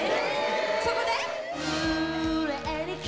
そこで？